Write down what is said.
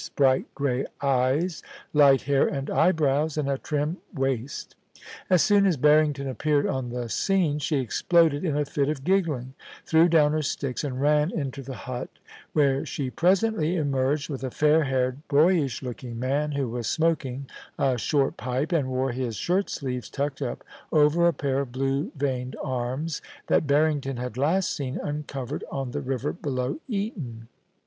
59 bright grey eyes, light hair and eyebrows, and a trim waist As soon as Barrington appeared on the scene she exploded in a fit of giggling, threw down her sticks, and ran into the hut, where she presently emerged with a fair haired, boyish looking man, who was smoking a short pipe, and wore his shirt sleeves tucked up over a pair of blue veined arms, that Barrington had last seen uncovered on the river below Eton.